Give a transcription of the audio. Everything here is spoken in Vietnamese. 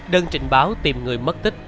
đơn trình báo tìm người mất tích